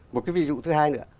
một cái ví dụ thứ hai nữa